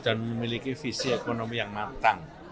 dan memiliki visi ekonomi yang matang